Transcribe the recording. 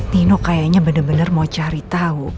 nino kayaknya bener bener mau cari tau